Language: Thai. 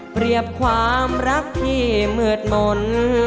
เปรียบความรักที่มืดมนต์